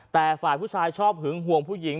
แต่ฝ่ายผู้ชายชอบหึงห่วงผู้หญิง